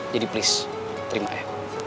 jadi please terima ya